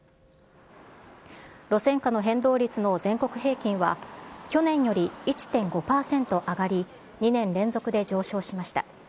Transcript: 路線価の変動率の全国平均は去年より１．５％上がり、２年連続で上昇しました。